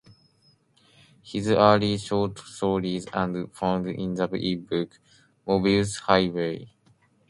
His early short stories are found in the ebook "Mobius Highway".